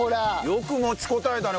よく持ちこたえたね